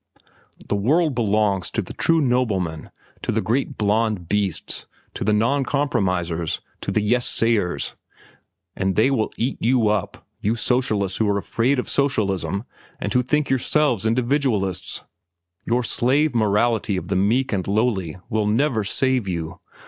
The world belongs to the true nobleman, to the great blond beasts, to the noncompromisers, to the 'yes sayers.' And they will eat you up, you socialists—who are afraid of socialism and who think yourselves individualists. Your slave morality of the meek and lowly will never save you.